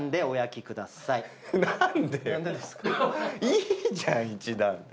いいじゃん１段で。